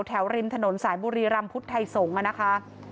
ริมถนนสายบุรีรำพุทธไทยสงฆ์นะคะ